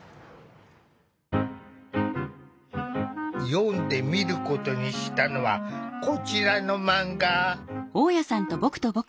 読んでみることにしたのはこちらのマンガ。